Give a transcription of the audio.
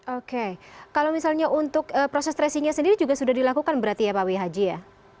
oke kalau misalnya untuk proses tracingnya sendiri juga sudah dilakukan berarti ya pak wihaji ya